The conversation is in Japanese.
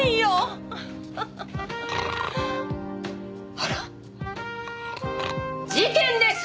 あらっ？事件ですよ！